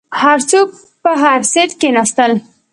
هر څوک په هر سیټ کښیناستل.